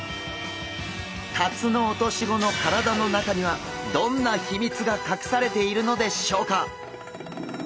タツノオトシゴの体の中にはどんな秘密がかくされているのでしょうか？